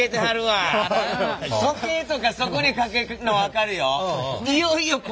時計とかそこにかけるのは分かるよ。